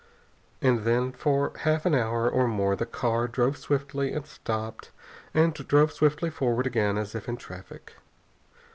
And then for half an hour or more the car drove swiftly, and stopped, and drove swiftly forward again as if in traffic.